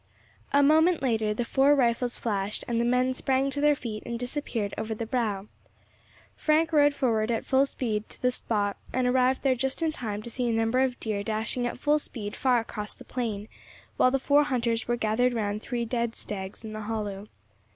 A moment later the four rifles flashed, and the men sprang to their feet and disappeared over the brow. Frank rode forward at full speed to the spot, and arrived there just in time to see a number of deer dashing at full speed far across the plain, while the four hunters were gathered round three dead stags in the hollow.